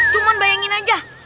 cuman bayangin aja